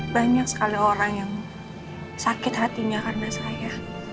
banyak sekali orang yang sakit hatinya karena saya